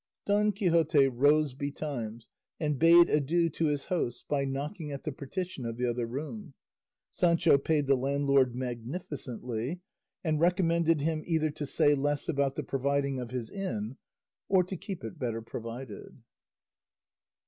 Don Quixote rose betimes, and bade adieu to his hosts by knocking at the partition of the other room. Sancho paid the landlord magnificently, and recommended him either to say less about the providing of his inn or to keep it better provided.